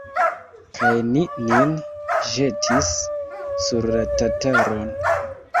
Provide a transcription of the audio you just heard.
Kaj ni nin ĵetis sur la tataron.